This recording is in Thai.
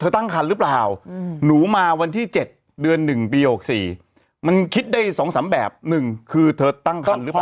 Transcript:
ตั้งคันหรือเปล่าหนูมาวันที่๗เดือน๑ปี๖๔มันคิดได้๒๓แบบ๑คือเธอตั้งคันหรือเปล่า